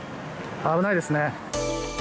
危ないですね。